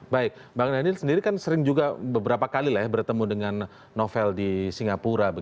baik bang daniel sendiri kan sering juga beberapa kali bertemu dengan novel di singapura